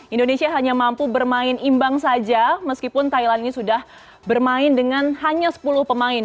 indonesia hanya mampu bermain imbang saja meskipun thailand ini sudah bermain dengan hanya sepuluh pemain